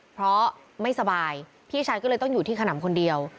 เพราะไม่สบายพี่ชายก็เลยต้องอยู่ที่ขนำคนเดียว